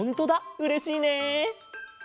うれしいね！